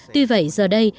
tuy vậy giờ đây